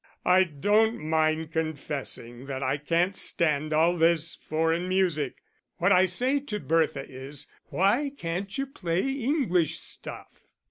"I don't mind confessing that I can't stand all this foreign music. What I say to Bertha is why can't you play English stuff?"